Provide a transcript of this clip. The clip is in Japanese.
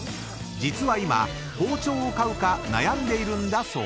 ［実は今包丁を買うか悩んでいるんだそう］